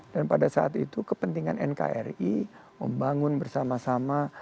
dan pada saat itu kepentingan nkri membangun bersama sama